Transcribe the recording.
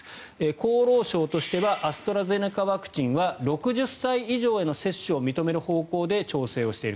厚労省としてはアストラゼネカワクチンは６０歳以上への接種を認める方向で調整をしている。